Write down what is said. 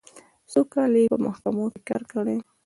څو کاله یې په محکمو کې کار کړی.